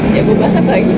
jauh banget lagi